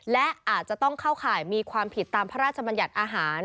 และอาจจะต้องเข้าข่ายมีความผิดตามพระราชบัญญัติอาหาร